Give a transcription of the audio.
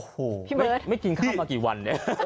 พี่เมิร์ทไม่กินข้าวมากี่วันเนี่ย